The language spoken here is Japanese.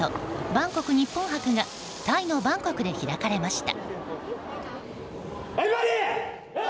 バンコク日本博がタイのバンコクで開かれました。